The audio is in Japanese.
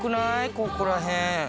ここら辺。